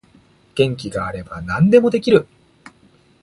元気があれば何でもできる